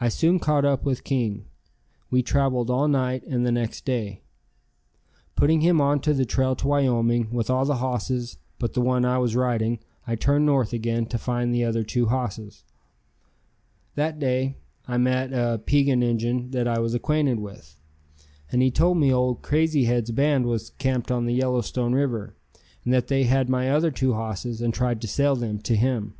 I soon caught up with King. We traveled all night and the next day. Putting him on the trail to Wyoming with all the hosses but the one I was riding, I turned north again to find the other two hosses. That day I met a Piegan Injun that I was acquainted with, and he told me old Crazy Head's band was camped on the Yellowstone River, and that they had my other two hosses and tried to sell them to him.